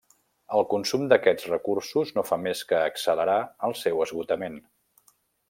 El consum d'aquests recursos no fa més que accelerar el seu esgotament.